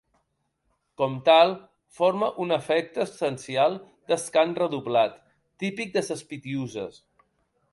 Com tal, forma un efecte essencial del cant redoblat, típic de les Pitiüses.